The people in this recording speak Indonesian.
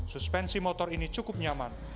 suspensi motor ini cukup nyaman